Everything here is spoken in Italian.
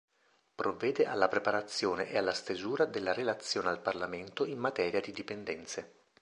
Provvede alla preparazione e alla stesura della relazione al Parlamento in materia di dipendenze.